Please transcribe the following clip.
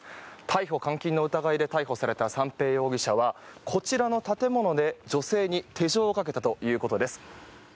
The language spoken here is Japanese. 逮捕・監禁の疑いで逮捕された三瓶容疑者はこちらの建物で女性に手錠をかけたということです。